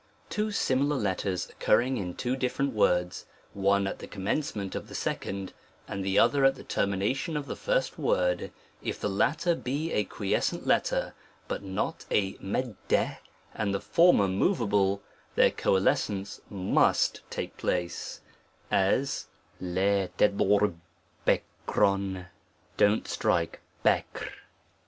Two similar letters occurring in two different words, one at the commencement of the second, and the other at the termination of the first word ; if the latter be a quiescent letter, but not a s^ and the former moveable ; their coalescence must """ A V* *^ take place; as l^^j&y don't strike Bukr. VI.